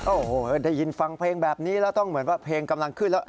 โอ้โหได้ยินฟังเพลงแบบนี้แล้วต้องเหมือนว่าเพลงกำลังขึ้นแล้ว